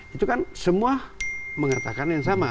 itu kan semua mengatakan yang sama